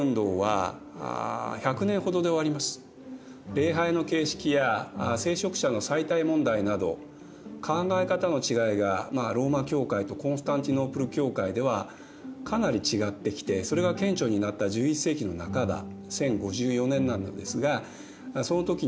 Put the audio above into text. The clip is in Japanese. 礼拝の形式や聖職者の妻帯問題など考え方の違いがローマ教会とコンスタンティノープル教会ではかなり違ってきてそれが顕著になった１１世紀の半ば１０５４年なんですがその時にお互いに破門を言い渡して分裂しました。